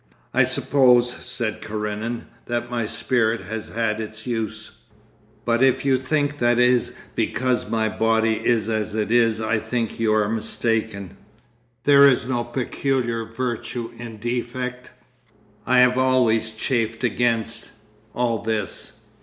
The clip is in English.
'I suppose,' said Karenin, 'that my spirit has had its use. But if you think that is because my body is as it is I think you are mistaken. There is no peculiar virtue in defect. I have always chafed against—all this.